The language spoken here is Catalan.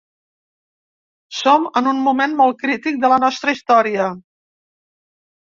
Som en un moment molt crític de la nostra història.